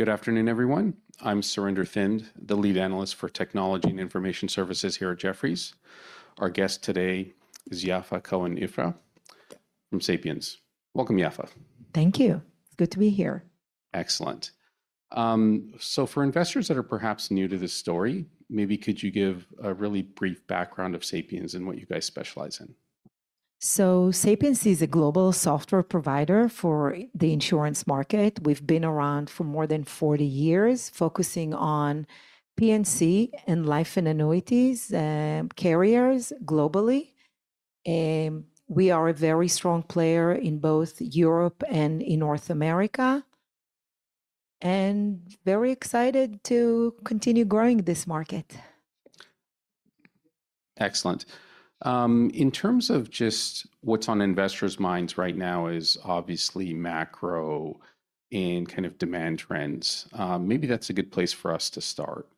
Good afternoon, everyone. I'm Surinder Thind, the lead analyst for Technology and Information Services here at Jefferies. Our guest today is Yaffa Cohen-Ifrah from Sapiens. Welcome, Yaffa. Thank you. Good to be here. Excellent. So for investors that are perhaps new to this story, maybe could you give a really brief background of Sapiens and what you guys specialize in? So Sapiens is a global software provider for the insurance market. We've been around for more than 40 years, focusing on P&C and life and annuities, carriers globally. We are a very strong player in both Europe and in North America, and very excited to continue growing this market. Excellent. In terms of just what's on investors' minds right now is obviously macro and kind of demand trends. Maybe that's a good place for us to start.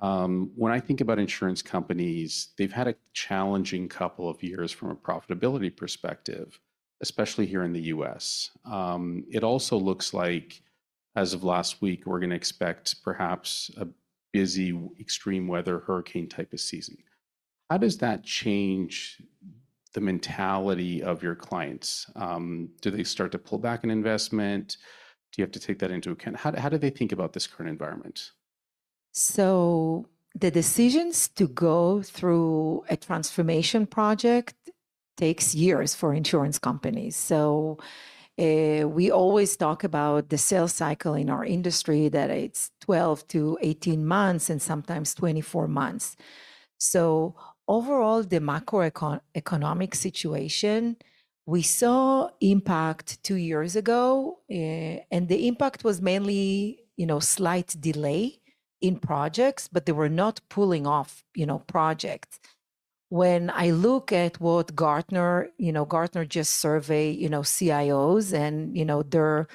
When I think about insurance companies, they've had a challenging couple of years from a profitability perspective, especially here in the U.S. It also looks like, as of last week, we're going to expect perhaps a busy, extreme weather, hurricane type of season. How does that change the mentality of your clients? Do they start to pull back an investment? Do you have to take that into account? How do they think about this current environment? So the decisions to go through a transformation project takes years for insurance companies. So, we always talk about the sales cycle in our industry, that it's 12-18 months and sometimes 24 months. So overall, the macroeconomic situation, we saw impact 2 years ago, and the impact was mainly, you know, slight delay in projects, but they were not pulling off, you know, projects. When I look at what Gartner... You know, Gartner just survey, you know, CIOs, and, you know, their,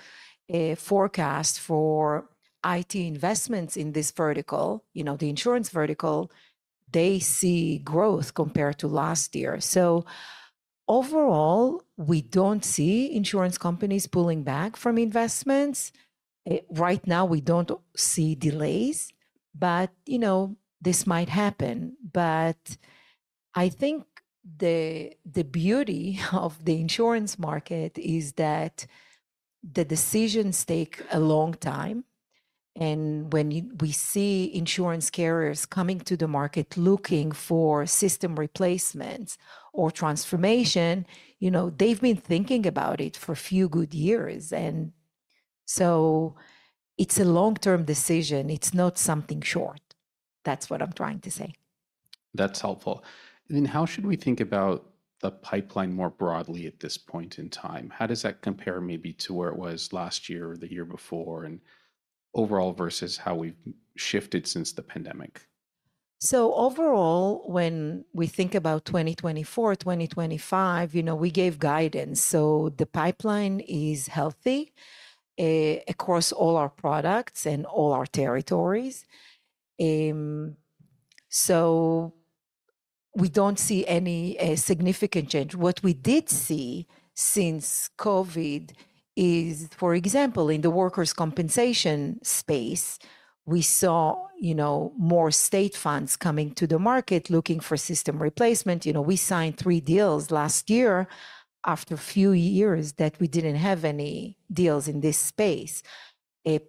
forecast for IT investments in this vertical, you know, the insurance vertical, they see growth compared to last year. So overall, we don't see insurance companies pulling back from investments. Right now, we don't see delays, but, you know, this might happen. But I think the beauty of the insurance market is that the decisions take a long time, and when we see insurance carriers coming to the market looking for system replacements or transformation, you know, they've been thinking about it for a few good years, and so it's a long-term decision. It's not something short. That's what I'm trying to say. That's helpful. And then how should we think about the pipeline more broadly at this point in time? How does that compare maybe to where it was last year or the year before, and overall versus how we've shifted since the pandemic? So overall, when we think about 2024, 2025, you know, we gave guidance, so the pipeline is healthy, across all our products and all our territories. So we don't see any significant change. What we did see since COVID is, for example, in the workers' compensation space, we saw, you know, more state funds coming to the market looking for system replacement. You know, we signed 3 deals last year, after a few years that we didn't have any deals in this space.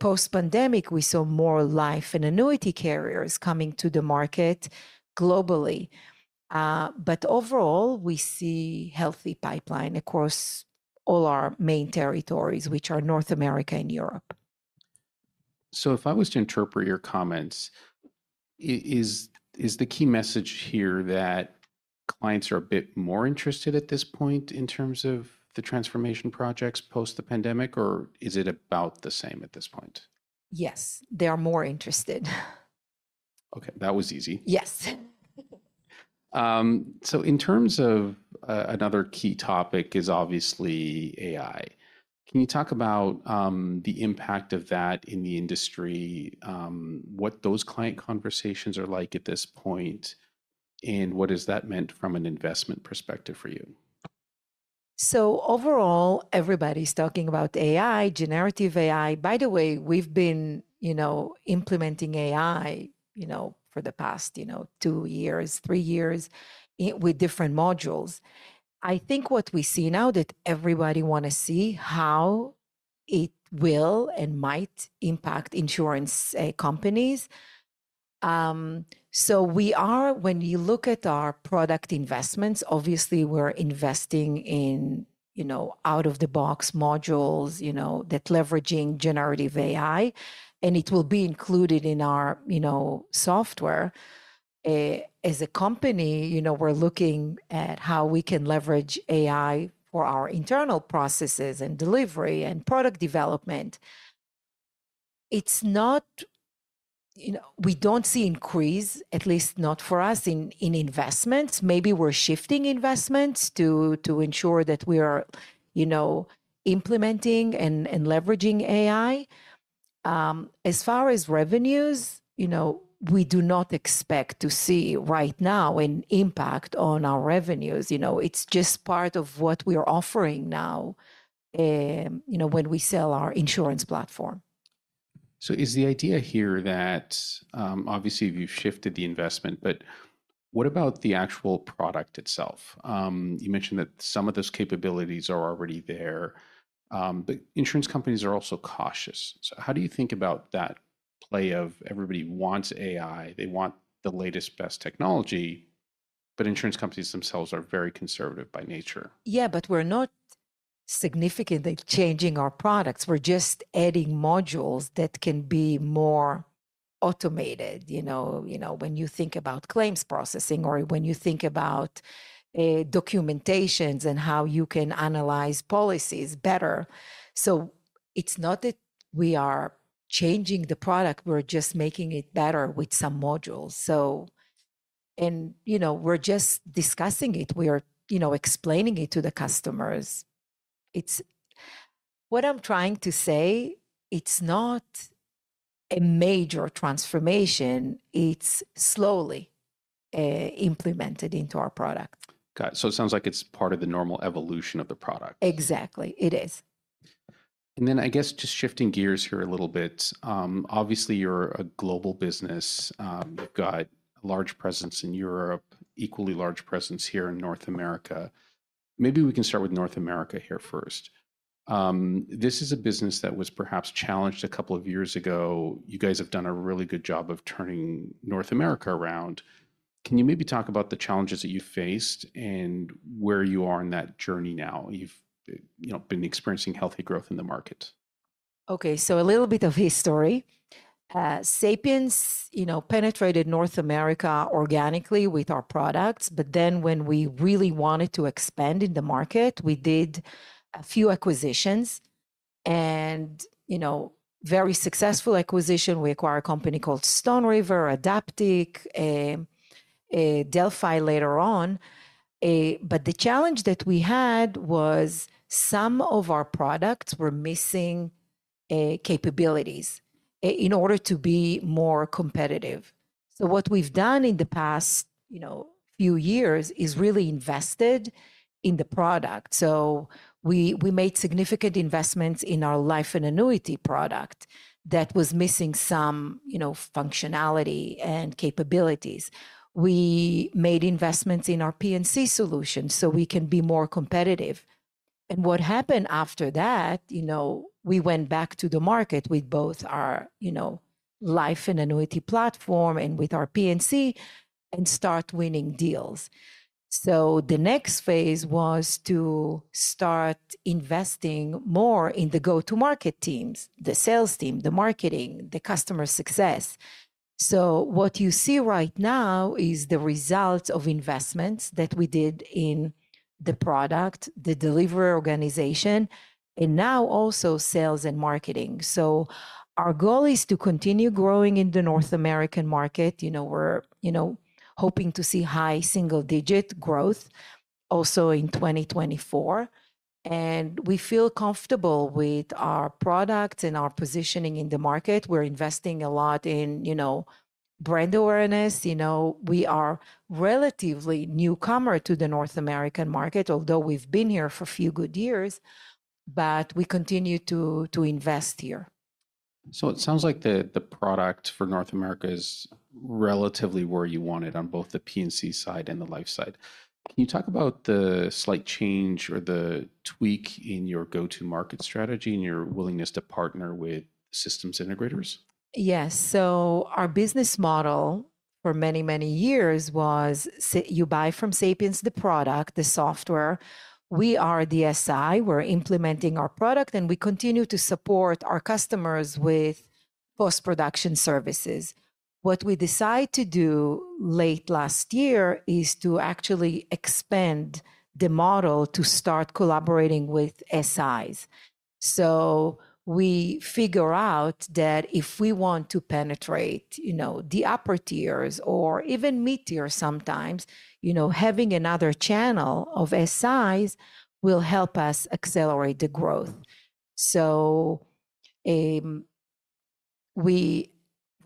Post-pandemic, we saw more life and annuity carriers coming to the market globally. But overall, we see healthy pipeline across all our main territories, which are North America and Europe. So if I was to interpret your comments, is the key message here that clients are a bit more interested at this point in terms of the transformation projects post the pandemic, or is it about the same at this point? Yes, they are more interested. Okay, that was easy. Yes. So, in terms of another key topic, is obviously AI. Can you talk about the impact of that in the industry, what those client conversations are like at this point, and what has that meant from an investment perspective for you? So overall, everybody's talking about AI, generative AI. By the way, we've been, you know, implementing AI, you know, for the past, you know, 2 years, 3 years, with different modules. I think what we see now, that everybody want to see how it will and might impact insurance companies. So we are. When you look at our product investments, obviously, we're investing in, you know, out-of-the-box modules, you know, that leveraging generative AI, and it will be included in our, you know, software. As a company, you know, we're looking at how we can leverage AI for our internal processes and delivery and product development. It's not... You know, we don't see increase, at least not for us, in, in investments. Maybe we're shifting investments to, to ensure that we are, you know, implementing and, and leveraging AI. As far as revenues, you know, we do not expect to see right now an impact on our revenues. You know, it's just part of what we are offering now, you know, when we sell our insurance platform.... So is the idea here that, obviously you've shifted the investment, but what about the actual product itself? You mentioned that some of those capabilities are already there, but insurance companies are also cautious. So how do you think about that play of everybody wants AI, they want the latest, best technology, but insurance companies themselves are very conservative by nature? Yeah, but we're not significantly changing our products. We're just adding modules that can be more automated, you know? You know, when you think about claims processing or when you think about documentations and how you can analyze policies better. So it's not that we are changing the product, we're just making it better with some modules. You know, we're just discussing it. We are, you know, explaining it to the customers. It's what I'm trying to say, it's not a major transformation, it's slowly implemented into our product. Got it. So it sounds like it's part of the normal evolution of the product. Exactly. It is. Then I guess just shifting gears here a little bit, obviously, you're a global business. You've got a large presence in Europe, equally large presence here in North America. Maybe we can start with North America here first. This is a business that was perhaps challenged a couple of years ago. You guys have done a really good job of turning North America around. Can you maybe talk about the challenges that you faced and where you are in that journey now? You've, you know, been experiencing healthy growth in the market. Okay, so a little bit of history. Sapiens, you know, penetrated North America organically with our products, but then when we really wanted to expand in the market, we did a few acquisitions and, you know, very successful acquisition. We acquired a company called StoneRiver, Adaptik, Delphi later on. But the challenge that we had was some of our products were missing capabilities in order to be more competitive. So what we've done in the past, you know, few years, is really invested in the product. So we made significant investments in our life and annuity product that was missing some, you know, functionality and capabilities. We made investments in our P&C solution so we can be more competitive. What happened after that, you know, we went back to the market with both our, you know, life and annuity platform and with our P&C, and start winning deals. The next phase was to start investing more in the go-to-market teams, the sales team, the marketing, the customer success. What you see right now is the results of investments that we did in the product, the delivery organization, and now also sales and marketing. Our goal is to continue growing in the North American market. You know, we're, you know, hoping to see high single-digit growth also in 2024, and we feel comfortable with our product and our positioning in the market. We're investing a lot in, you know, brand awareness. You know, we are relatively newcomer to the North American market, although we've been here for a few good years, but we continue to invest here. So it sounds like the product for North America is relatively where you want it on both the P&C side and the life side. Can you talk about the slight change or the tweak in your go-to-market strategy and your willingness to partner with systems integrators? Yes. Our business model for many, many years was you buy from Sapiens the product, the software. We are the SI, we're implementing our product, and we continue to support our customers with post-production services. What we decide to do late last year is to actually expand the model to start collaborating with SIs. So we figure out that if we want to penetrate, you know, the upper tiers or even mid tiers sometimes, you know, having another channel of SIs will help us accelerate the growth. We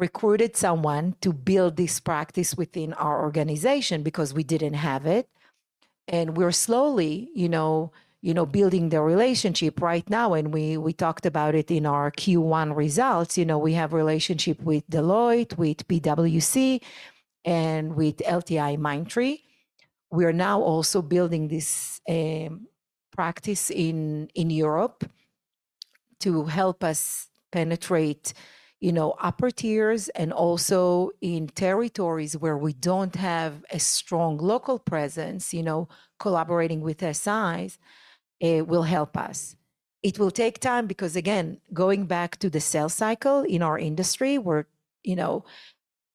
recruited someone to build this practice within our organization because we didn't have it, and we're slowly, you know, building the relationship right now, and we talked about it in our Q1 results. You know, we have relationship with Deloitte, with PwC, and with LTIMindtree. We are now also building this practice in Europe to help us penetrate, you know, upper tiers and also in territories where we don't have a strong local presence, you know, collaborating with SIs will help us. It will take time because, again, going back to the sales cycle in our industry, we're, you know...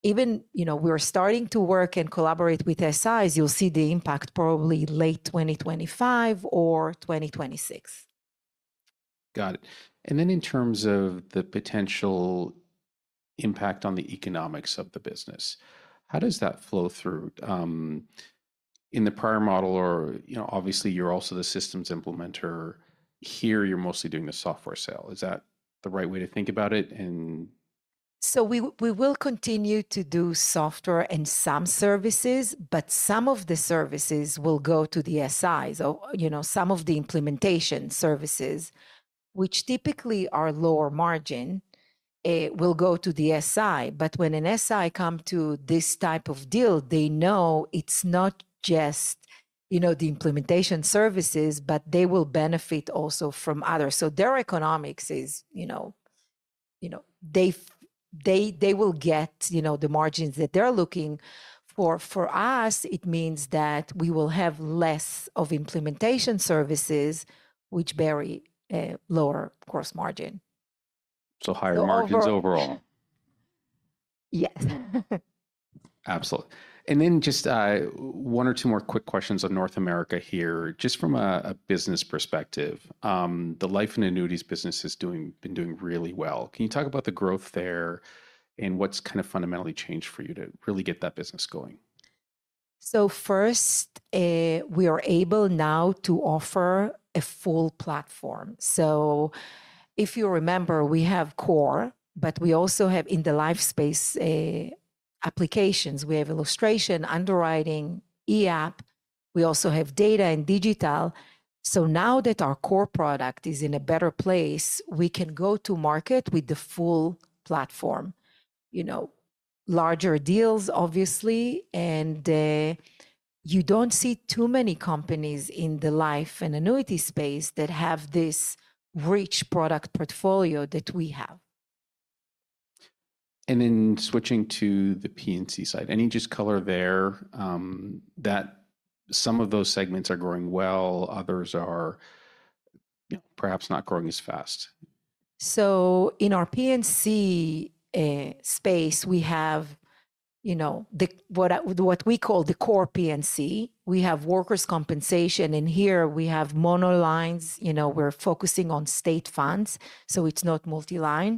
Even, you know, we are starting to work and collaborate with SIs, you'll see the impact probably late 2025 or 2026. Got it. And then in terms of the potential impact on the economics of the business, how does that flow through? In the prior model or, you know, obviously, you're also the systems implementer. Here, you're mostly doing the software sale. Is that the right way to think about it and-... So we will continue to do software and some services, but some of the services will go to the SIs, or, you know, some of the implementation services, which typically are lower margin, will go to the SI. But when an SI come to this type of deal, they know it's not just, you know, the implementation services, but they will benefit also from others. So their economics is, you know, you know, they will get, you know, the margins that they're looking for. For us, it means that we will have less of implementation services, which carry a lower gross margin. So higher margins overall? Yes. Absolutely. And then just one or two more quick questions on North America here. Just from a business perspective, the life and annuities business is doing, been doing really well. Can you talk about the growth there, and what's kind of fundamentally changed for you to really get that business going? So first, we are able now to offer a full platform. So if you remember, we have core, but we also have, in the life space, applications. We have illustration, underwriting, e-app. We also have data and digital. So now that our core product is in a better place, we can go to market with the full platform. You know, larger deals, obviously, and, you don't see too many companies in the life and annuity space that have this rich product portfolio that we have. Then switching to the P&C side, any just color there, that some of those segments are growing well, others are, you know, perhaps not growing as fast? So in our P&C space, we have, you know, the what we call the core P&C. We have workers' compensation, and here we have monolines. You know, we're focusing on state funds, so it's not multi-line,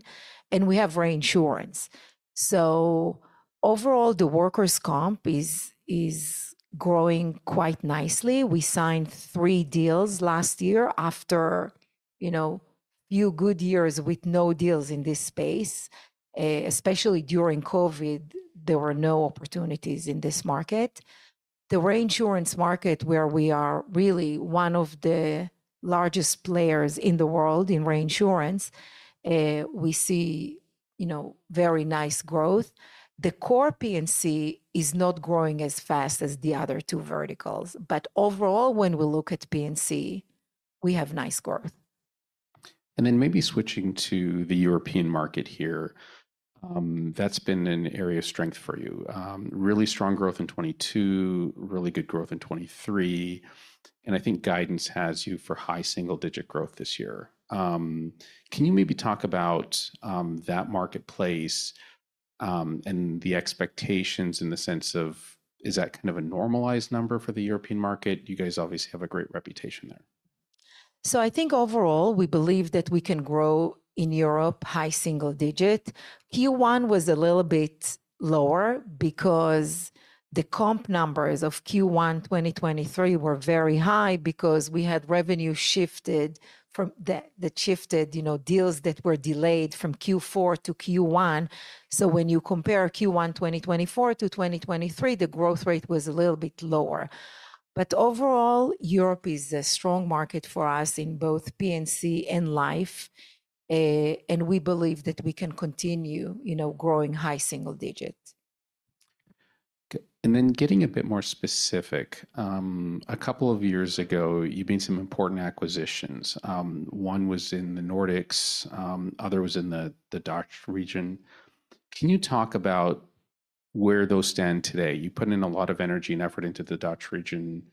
and we have reinsurance. So overall, the workers' comp is growing quite nicely. We signed three deals last year after, you know, a few good years with no deals in this space. Especially during COVID, there were no opportunities in this market. The reinsurance market, where we are really one of the largest players in the world in reinsurance, we see, you know, very nice growth. The core P&C is not growing as fast as the other two verticals, but overall, when we look at P&C, we have nice growth. And then maybe switching to the European market here, that's been an area of strength for you. Really strong growth in 2022, really good growth in 2023, and I think guidance has you for high single-digit growth this year. Can you maybe talk about that marketplace, and the expectations in the sense of is that kind of a normalized number for the European market? You guys obviously have a great reputation there. I think overall, we believe that we can grow in Europe high single digit. Q1 was a little bit lower because the comp numbers of Q1 2023 were very high because we had revenue shifted, you know, from deals that were delayed from Q4 to Q1. So when you compare Q1 2024 to 2023, the growth rate was a little bit lower. But overall, Europe is a strong market for us in both P&C and life, and we believe that we can continue, you know, growing high single digit. Okay, and then getting a bit more specific, a couple of years ago, you made some important acquisitions. One was in the Nordics, other was in the Dutch region. Can you talk about where those stand today? You put in a lot of energy and effort into the Dutch region.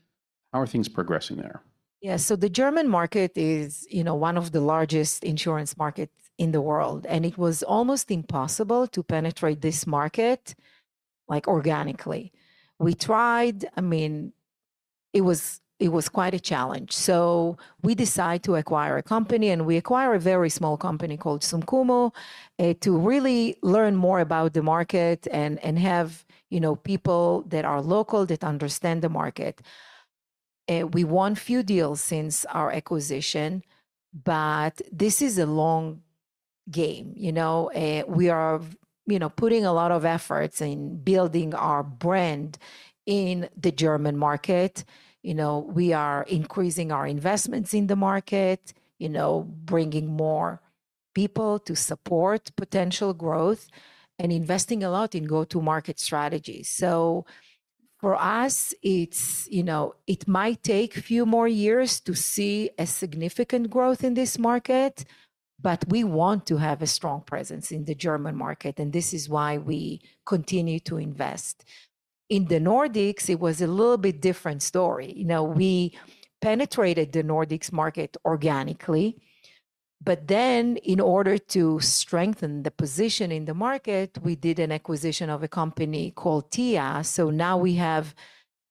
How are things progressing there? Yeah. So the German market is, you know, one of the largest insurance markets in the world, and it was almost impossible to penetrate this market, like, organically. We tried. I mean, it was, it was quite a challenge. So we decide to acquire a company, and we acquire a very small company called sum.cumo to really learn more about the market and, and have, you know, people that are local, that understand the market. We won few deals since our acquisition, but this is a long game, you know? We are, you know, putting a lot of efforts in building our brand in the German market. You know, we are increasing our investments in the market, you know, bringing more people to support potential growth, and investing a lot in go-to-market strategies. So for us, it's, you know, it might take a few more years to see a significant growth in this market, but we want to have a strong presence in the German market, and this is why we continue to invest. In the Nordics, it was a little bit different story. You know, we penetrated the Nordics market organically, but then in order to strengthen the position in the market, we did an acquisition of a company called TIA. So now we have,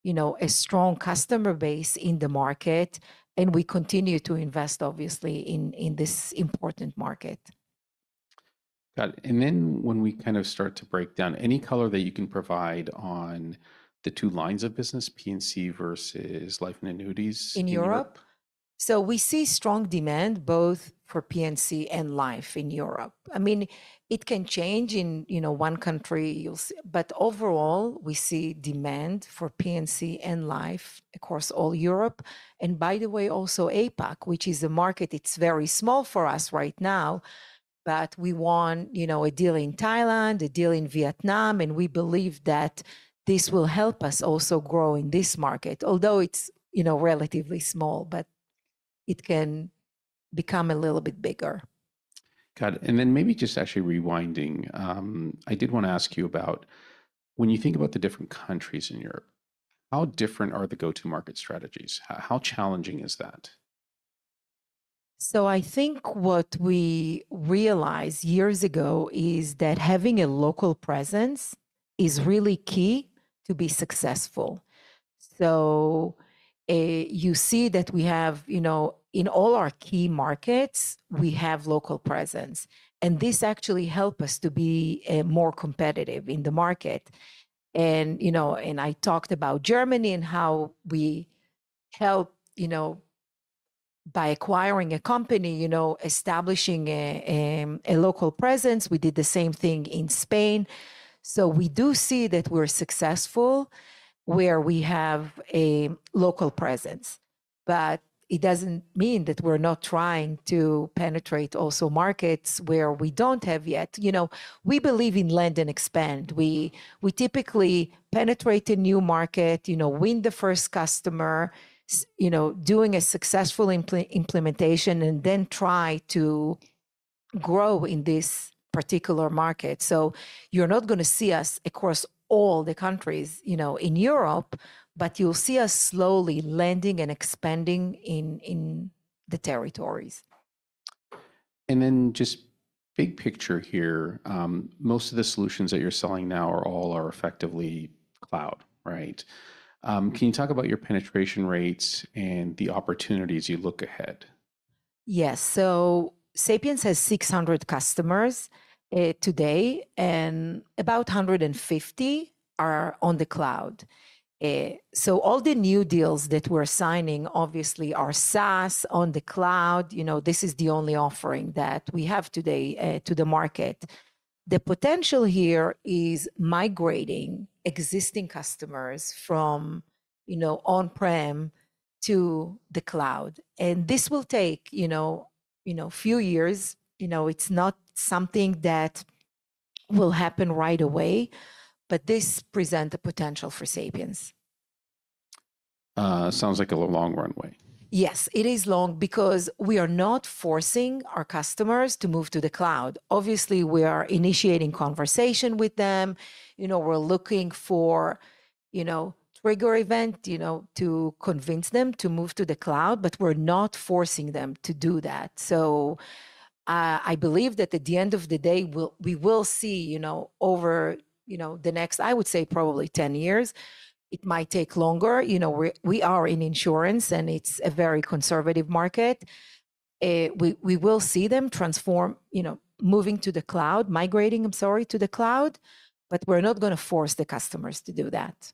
you know, a strong customer base in the market, and we continue to invest, obviously, in, in this important market. Got it. And then when we kind of start to break down, any color that you can provide on the two lines of business, P&C versus Life and Annuities? In Europe? So we see strong demand both for P&C and life in Europe. I mean, it can change in, you know, one country, you'll see. But overall, we see demand for P&C and life across all Europe, and by the way, also APAC, which is a market that's very small for us right now, but we won, you know, a deal in Thailand, a deal in Vietnam, and we believe that this will help us also grow in this market. Although it's, you know, relatively small, but it can become a little bit bigger. Got it. Then maybe just actually rewinding, I did want to ask you about when you think about the different countries in Europe, how different are the go-to market strategies? How challenging is that? So I think what we realized years ago is that having a local presence is really key to be successful. So, you see that we have, you know, in all our key markets, we have local presence, and this actually help us to be more competitive in the market. And, you know, and I talked about Germany and how we helped, you know, by acquiring a company, you know, establishing a local presence. We did the same thing in Spain. So we do see that we're successful where we have a local presence, but it doesn't mean that we're not trying to penetrate also markets where we don't have yet. You know, we believe in land and expand. We typically penetrate a new market, you know, win the first customer, you know, doing a successful implementation, and then try to grow in this particular market. So you're not gonna see us across all the countries, you know, in Europe, but you'll see us slowly landing and expanding in the territories. Then just big picture here, most of the solutions that you're selling now are all effectively cloud, right? Can you talk about your penetration rates and the opportunities you look ahead? Yes. So Sapiens has 600 customers, today, and about 150 are on the cloud. So all the new deals that we're signing, obviously, are SaaS on the cloud. You know, this is the only offering that we have today, to the market. The potential here is migrating existing customers from, you know, on-prem to the cloud, and this will take, you know, you know, few years. You know, it's not something that will happen right away, but this present a potential for Sapiens. Sounds like a long runway. Yes, it is long because we are not forcing our customers to move to the cloud. Obviously, we are initiating conversation with them. You know, we're looking for, you know, trigger event, you know, to convince them to move to the cloud, but we're not forcing them to do that. So, I believe that at the end of the day, we will see, you know, over, you know, the next, I would say probably 10 years. It might take longer. You know, we're in insurance, and it's a very conservative market. We will see them transform, you know, moving to the cloud, migrating, I'm sorry, to the cloud, but we're not gonna force the customers to do that.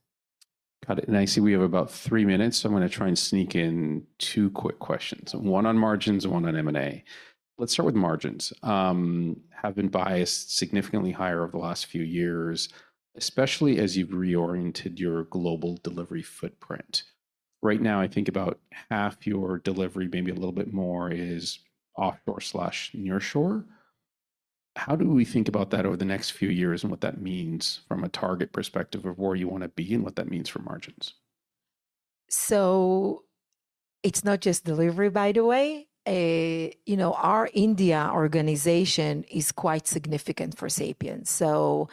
Got it. And I see we have about three minutes, so I'm gonna try and sneak in two quick questions, one on margins and one on M&A. Let's start with margins. Have been biased significantly higher over the last few years, especially as you've reoriented your global delivery footprint. Right now, I think about half your delivery, maybe a little bit more, is offshore/nearshore. How do we think about that over the next few years and what that means from a target perspective of where you want to be and what that means for margins? So it's not just delivery, by the way. You know, our India organization is quite significant for Sapiens, so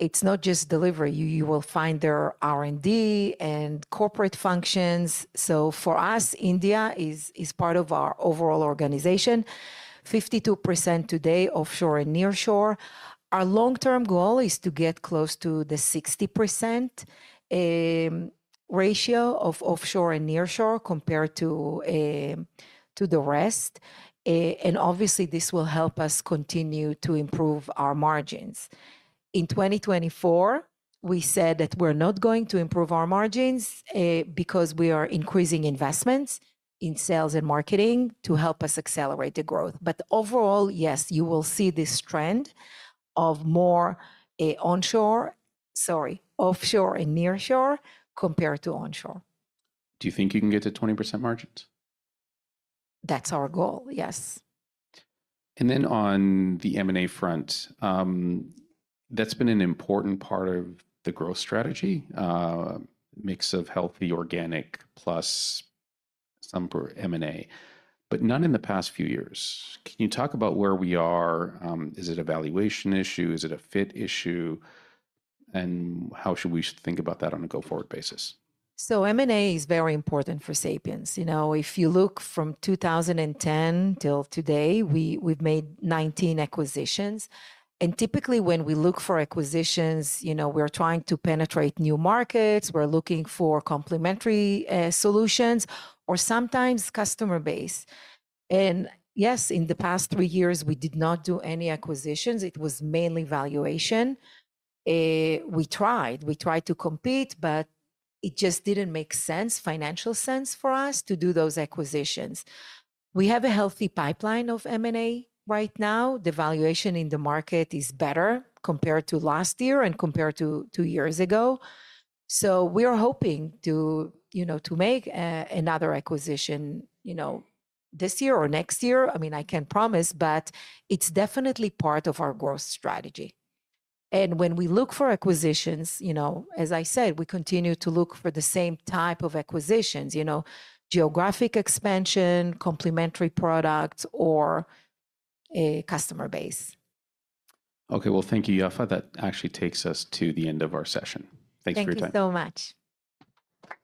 it's not just delivery. You will find there R&D and corporate functions. So for us, India is part of our overall organization. 52% today, offshore and nearshore. Our long-term goal is to get close to the 60% ratio of offshore and nearshore compared to the rest. And obviously, this will help us continue to improve our margins. In 2024, we said that we're not going to improve our margins because we are increasing investments in sales and marketing to help us accelerate the growth. But overall, yes, you will see this trend of more offshore and nearshore compared to onshore. Do you think you can get to 20% margins? That's our goal, yes. On the M&A front, that's been an important part of the growth strategy, mix of healthy organic plus some via M&A, but none in the past few years. Can you talk about where we are? Is it a valuation issue? Is it a fit issue, and how should we think about that on a go-forward basis? So M&A is very important for Sapiens. You know, if you look from 2010 till today, we've made 19 acquisitions, and typically when we look for acquisitions, you know, we're trying to penetrate new markets, we're looking for complementary solutions or sometimes customer base. And yes, in the past 3 years, we did not do any acquisitions. It was mainly valuation. We tried, we tried to compete, but it just didn't make sense, financial sense for us to do those acquisitions. We have a healthy pipeline of M&A right now. The valuation in the market is better compared to last year and compared to 2 years ago. So we are hoping to, you know, to make another acquisition, you know, this year or next year. I mean, I can't promise, but it's definitely part of our growth strategy. When we look for acquisitions, you know, as I said, we continue to look for the same type of acquisitions, you know, geographic expansion, complementary products, or a customer base. Okay. Well, thank you, Yaffa. That actually takes us to the end of our session. Thanks for your time. Thank you so much.